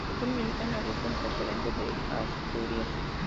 El club milita en la Regional Preferente de Asturias.